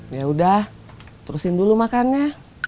ya udah terusin dulu makannya